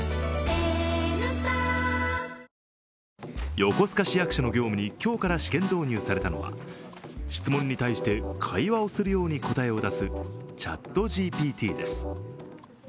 横須賀市役所の業務に今日から試験導入されたのが質問に対して会話をするように答えを出すＣｈａｔＧＰＴです。